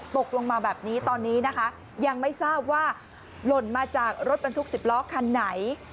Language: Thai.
ตกลงมาแบบนี้ตอนนี้นะคะยังไม่ทราบว่าหล่นมาจากรถบรรทุก๑๐ล้อคันไหน